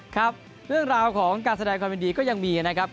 ครับเรื่องราวของการแสดงความยินดีก็ยังมีนะครับ